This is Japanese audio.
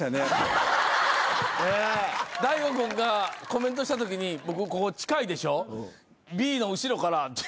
ＤＡＩＧＯ君がコメントしたときに僕ここ近いでしょ。